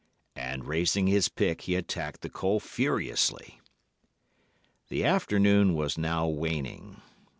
And, raising his pick, he attacked the coal furiously. "The afternoon was now waning.